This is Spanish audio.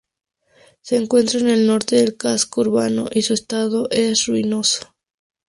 Se encuentra en el norte del casco urbano y su estado es ruinoso.